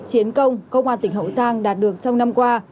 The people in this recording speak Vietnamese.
chiến công công an tỉnh hậu giang đạt được trong năm qua